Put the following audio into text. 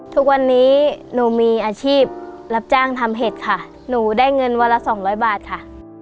ทุกวันนี้หนูมีอาชีพรับจ้างทำเห็ดค่ะหนูได้เงินวันละสองร้อยบาทค่ะ